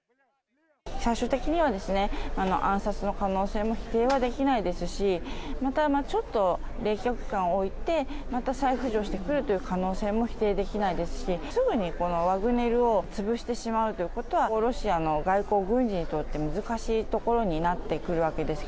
最終的には暗殺の可能性も否定はできないですし、またちょっと冷却期間を置いて、また再浮上してくるという可能性も否定できないですし、すぐにワグネルを潰してしまうということは、ロシアの外交軍事にとって難しいところになってくるわけです